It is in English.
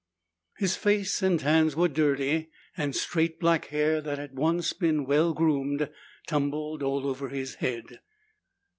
His face and hands were dirty, and straight black hair that had once been well groomed tumbled all over his head.